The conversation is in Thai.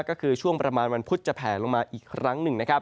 ก็คือช่วงประมาณวันพุธจะแผลลงมาอีกครั้งหนึ่งนะครับ